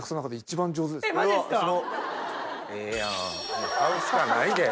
もう買うしかないで。